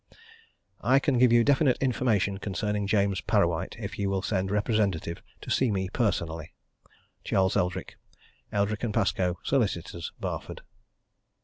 "I can give you definite information concerning James Parrawhite if you will send representative to see me personally. "CHARLES ELDRICK, Eldrick & Pascoe, Solicitors, Barford."